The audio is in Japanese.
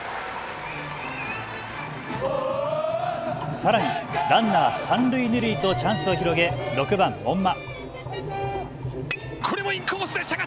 さらにランナー三塁二塁とチャンスを広げ６番・門間。